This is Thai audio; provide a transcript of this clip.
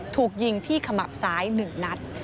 ถูกยิงที่ขมับซ้าย๑นัด